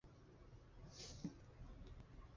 罗志祥担任教头亲自选择队员。